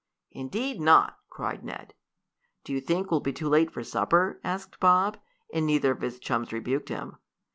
"Indeed not!" cried Ned. "Do you think we'll be too late for supper?" asked Bob, and neither of his chums rebuked him.